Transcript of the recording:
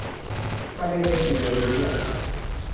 ทะเลเมดิเตอร์เรเนียน